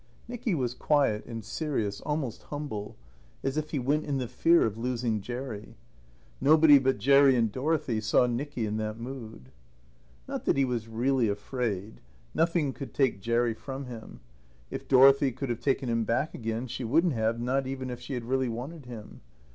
Nicky was quiet and serious, almost humble, as if he went in the fear of losing Jerry. Nobody but Jerry and Dorothy saw Nicky in that mood. Not that he was really afraid. Nothing could take Jerry from him. If Dorothy could have taken him back again she wouldn't have, not even if she had really wanted him.